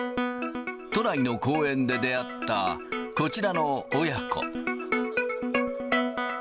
都内の公園で出会った、こちらの親子。